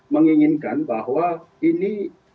menginginkan bahwa ini